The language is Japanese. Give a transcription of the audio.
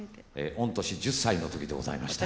御年１０歳の時でございました。